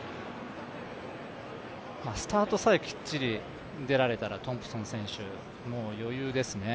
スタートさえきっちり出られたらトンプソン選手、余裕ですね。